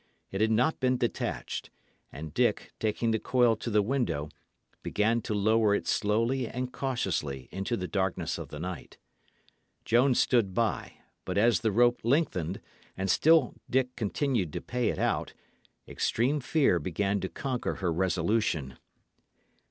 It had not been detached, and Dick, taking the coil to the window, began to lower it slowly and cautiously into the darkness of the night. Joan stood by; but as the rope lengthened, and still Dick continued to pay it out, extreme fear began to conquer her resolution.